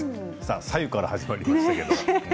白湯から始まりましたね。